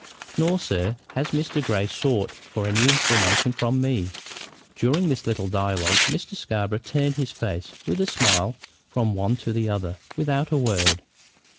"Nor, sir, has Mr. Grey sought for any information from me." During this little dialogue Mr. Scarborough turned his face, with a smile, from one to the other, without a word.